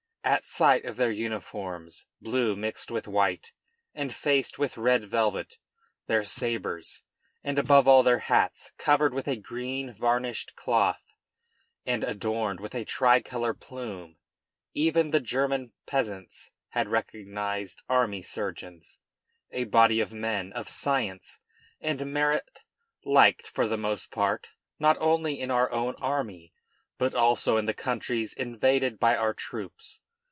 At sight of their uniforms, blue mixed with white and faced with red velvet, their sabres, and above all their hats covered with a green varnished cloth and adorned with a tricolor plume, even the German peasants had recognized army surgeons, a body of men of science and merit liked, for the most part, not only in our own army but also in the countries invaded by our troops.